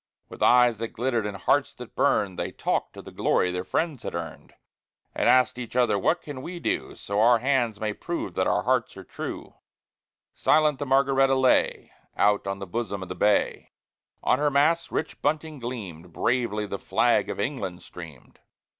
With eyes that glittered, and hearts that burned, They talked of the glory their friends had earned, And asked each other, "What can we do, So our hands may prove that our hearts are true?" II Silent the Margaretta lay, Out on the bosom of the bay; On her masts rich bunting gleamed; Bravely the flag of England streamed.